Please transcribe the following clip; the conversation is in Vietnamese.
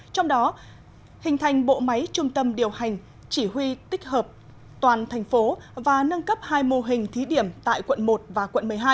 trong đó hình thành bộ máy trung tâm điều hành chỉ huy tích hợp toàn thành phố và nâng cấp hai mô hình thí điểm tại quận một và quận một mươi hai